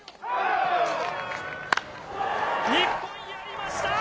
日本、やりました！